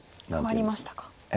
変わりましたか。